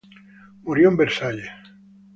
Murió en Versailles.